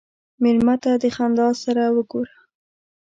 مېلمه ته د خندا سره وګوره.